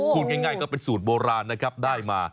พูดง่ายก็เป็นสูตรโบราณนะครับได้มา